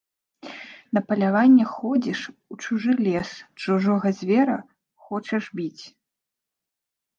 На паляванне ходзіш у чужы лес, чужога звера хочаш біць.